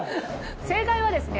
正解はですね